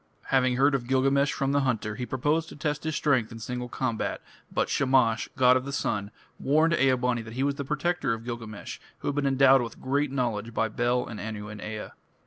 Having heard of Gilgamesh from the hunter, he proposed to test his strength in single combat, but Shamash, god of the sun, warned Ea bani that he was the protector of Gilgamesh, who had been endowed with great knowledge by Bel and Anu and Ea.